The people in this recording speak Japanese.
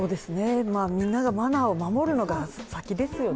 みんながマナーを守るのが先ですよね。